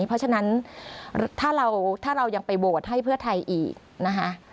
เพราะฉะนั้นถ้าเราถ้าเรายังไปโหวตให้เพื่อไทยอีกนะคะ